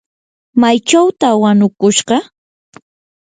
¿maychawtaq wanukushqa?